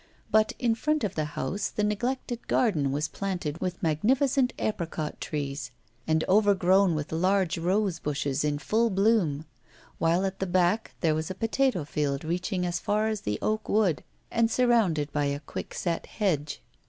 But in front of the house the neglected garden was planted with magnificent apricot trees, and overgrown with large rose bushes in full bloom; while at the back there was a potato field reaching as far as the oak wood, and surrounded by a quick set hedge.